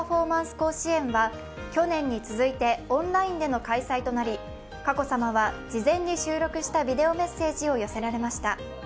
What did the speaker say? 甲子園は去年に続いてオンラインでの開催となり、佳子さまは事前に収録したビデオメッセージを寄せられました。